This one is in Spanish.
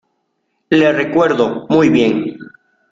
le recuerdo muy bien.